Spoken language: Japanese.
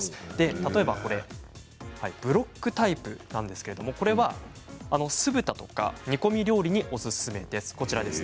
例えばブロックタイプなんですけれどもこれは酢豚とか煮込み料理におすすめです。